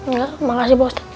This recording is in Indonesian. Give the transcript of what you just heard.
iya makasih bos